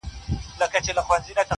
o څارونوال ویله پلاره نې کوومه,